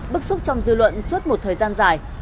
bức xúc trong dư luận suốt một thời gian dài